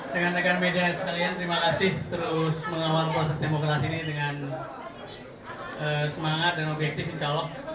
dengan tekan media sekalian terima kasih terus mengeluar proses demokrasi ini dengan semangat dan objektif mencolok